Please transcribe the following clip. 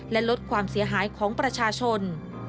และลดความเสียหายของประชาชน